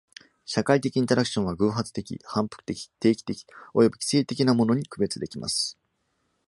社会的インタラクションは、偶発的、反復的、定期的、および規制的なものに区別できます。